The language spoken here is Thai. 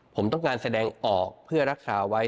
ผมต้องการแสดงออกเพื่อรักษาไว้